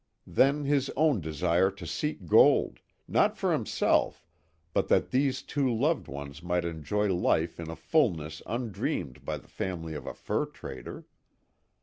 Then, his own desire to seek gold not for himself, but that these two loved ones might enjoy life in a fullness undreamed by the family of a fur trader.